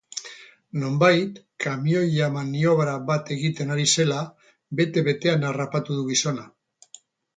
Nonbait, kamioia maniobra bat egiten ari zela, bete-betean harrapatu du gizona.